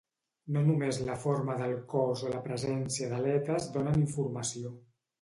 No només la forma del cos o la presència d'aletes donen informació